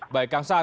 baik kang saan